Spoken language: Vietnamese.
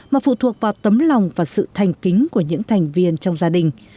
mà phụ thuộc vào tấm lòng và sự thành kính của những thành viên trong gia đình